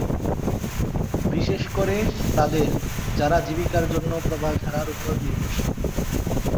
বিশেষ করে তাদের যারা জীবিকার জন্য প্রবাল ধরার উপর নির্ভরশীল।